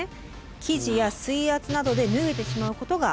生地や水圧などで脱げてしまうことがあります。